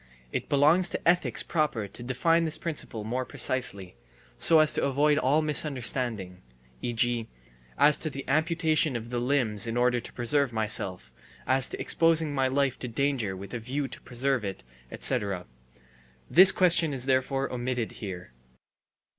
(It belongs to ethics proper to define this principle more precisely, so as to avoid all misunderstanding, e. g., as to the amputation of the limbs in order to preserve myself, as to exposing my life to danger with a view to preserve it, etc. This question is therefore omitted here.)